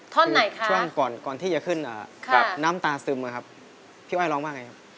ท่อนไหนคะค่ะค่ะพี่อ้อยร้องว่าไงครับ